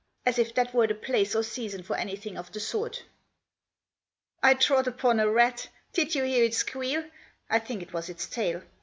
As if that were the place or season for anything of the sort !" I trod upon a rat. Did you hear it squeal ? I think it was its tail.